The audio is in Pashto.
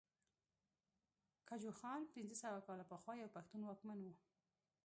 ګجوخان پنځه سوه کاله پخوا يو پښتون واکمن وو